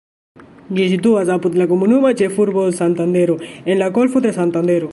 Ĝi situas apud la komunuma ĉefurbo Santandero, en la Golfo de Santandero.